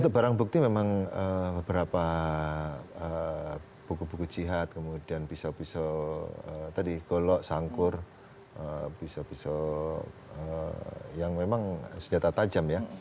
untuk barang bukti memang beberapa buku buku jihad kemudian pisau pisau tadi golok sangkur pisau pisau yang memang senjata tajam ya